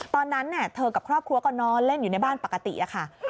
ตอนนั้นเธอกับครอบครัวก็นอนเล่นอยู่ในบ้านปกติค่ะ